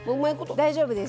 大丈夫です。